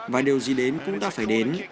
và điều gì đến cũng đã phải đến